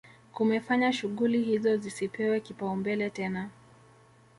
Kumefanya shughuli hizo zisipewe kipaumbele tena